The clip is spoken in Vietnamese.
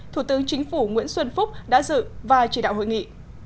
thủ tướng chính phủ nguyễn xuân phúc đã dự và chỉ đạo hội nghị